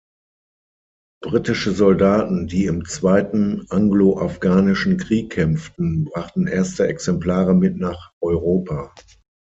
Britische Soldaten, die im zweiten Anglo-Afghanischen Krieg kämpften, brachten erste Exemplare mit nach Europa.